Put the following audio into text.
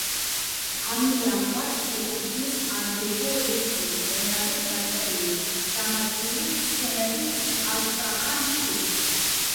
ამილახვარს ეკუთვნის აგრეთვე რუსულ ენაზე დაწერილი დრამატული სცენები „ასტრახანში“.